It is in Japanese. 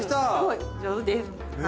上手です。